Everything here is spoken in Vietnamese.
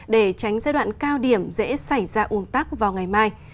để tránh giai đoạn cao điểm dễ xảy ra un tắc vào ngày mai